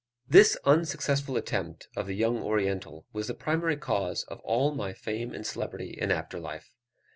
This unsuccessful attempt of the young Oriental, was the primary cause of all my fame and celebrity in after life.